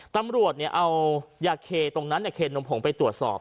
ตำรวจเอาอย่างเครนมผงไปตรวจสอบ